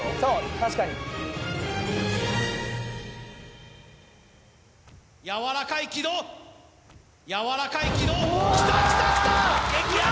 確かにやわらかい軌道やわらかい軌道きたきたきた！